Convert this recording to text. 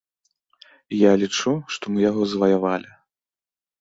І я лічу, што мы яго заваявалі.